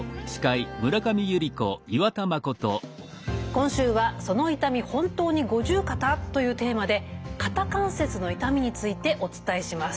今週は「その痛み本当に五十肩？」というテーマで肩関節の痛みについてお伝えします。